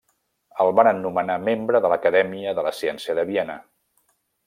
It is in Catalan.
El varen nomenar membre de l'Acadèmia de la ciència de Viena.